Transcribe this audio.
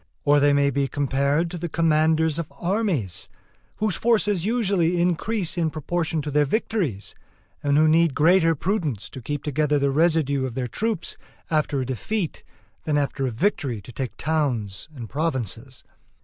Or they may be compared to the commanders of armies, whose forces usually increase in proportion to their victories, and who need greater prudence to keep together the residue of their troops after a defeat than after a victory to take towns and provinces.